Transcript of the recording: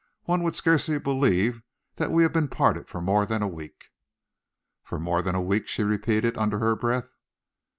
One would scarcely believe that we have been parted for more than a week." "For more than a week," she repeated, under her breath.